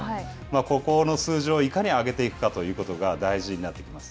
ここの数字をいかに上げていくかということが、大事になってきます。